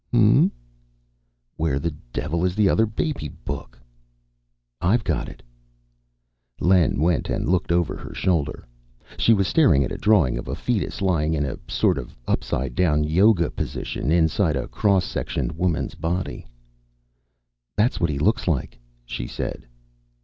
"Hm?" "Where the devil is the other baby book?" "I've got it." Len went and looked over her shoulder. She was staring at a drawing of a fetus lying in a sort of upside down Yoga position inside a cross sectioned woman's body. "That's what he looks like," she said.